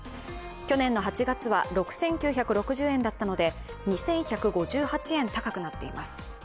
去年の８月は６９６０円だったので２１５８円高くなっています。